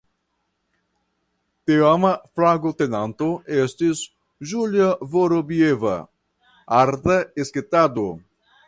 Teama flagotenanto estis "Julia Vorobieva" (arta sketado).